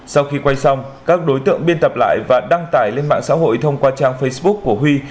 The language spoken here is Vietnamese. sau khi quay xong các đối tượng biên tập lại và đăng tải lên mạng xã hội thông qua trang facebook của huy